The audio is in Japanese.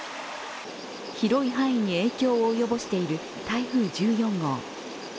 広い範囲に影響を及ぼしている台風１４号。